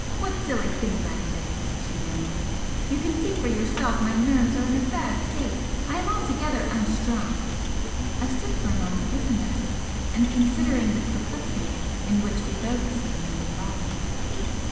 "What silly things I say!" she murmured "You can see for yourself my nerves are in a bad state! I am altogether unstrung!" I stood for a moment looking at her, and considering the perplexity in which we both seemed involved.